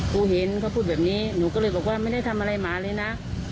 เห็นเขาพูดแบบนี้หนูก็เลยบอกว่าไม่ได้ทำอะไรหมาเลยนะ